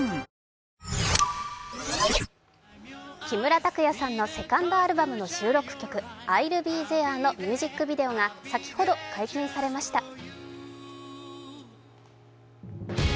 木村拓哉さんのセカンドアルバムの収録曲、「Ｉ’ｌｌｂｅｔｈｅｒｅ」のミュージックビデオが先ほど解禁されました。